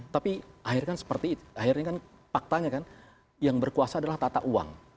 tapi akhirnya kan seperti akhirnya kan faktanya kan yang berkuasa adalah tata uang